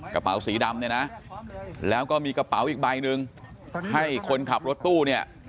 กระเป๋าสีดำเนี่ยนะแล้วก็มีกระเป๋าอีกใบหนึ่งให้คนขับรถตู้เนี่ย